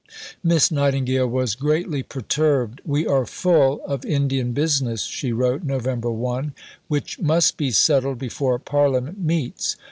Miss Nightingale was greatly perturbed. "We are full of Indian business," she wrote (Nov. 1), "which must be settled before Parliament meets.